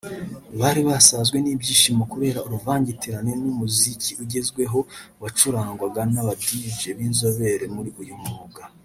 bari basazwe n’ibyishimo kubera uruvangitirane rw’umuziki ugezweho wacurangwaga n’aba Dj b’inzobere muri uyu mwuga